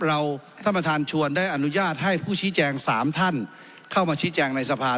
ท่านประธานชวนได้อนุญาตให้ผู้ชี้แจง๓ท่านเข้ามาชี้แจงในสภา